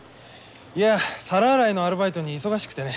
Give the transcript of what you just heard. いや皿洗いのアルバイトに忙しくてね。